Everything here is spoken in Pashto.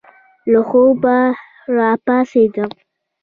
له خوبه را پاڅېدم.